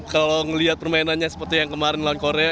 kalau melihat permainannya seperti yang kemarin melawan korea